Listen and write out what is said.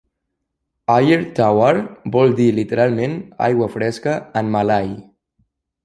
"Ayer Tawar" vol dir literalment "aigua fresca" en malai.